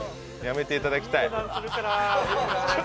やめていただきたい。